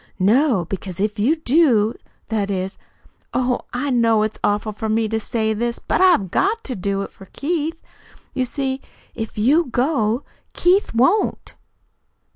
"No. Because if you do That is Oh, I know it's awful for me to say this, but I've got to do it for Keith. You see, if you go, Keith won't."